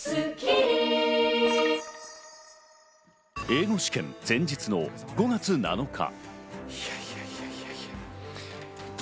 英語試験前日の５月７日。